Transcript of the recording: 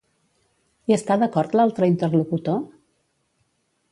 Hi està d'acord l'altre interlocutor?